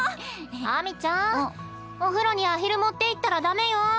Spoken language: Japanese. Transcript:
秋水ちゃんお風呂にアヒル持っていったらダメよ。